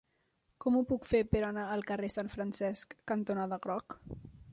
Com ho puc fer per anar al carrer Sant Francesc cantonada Groc?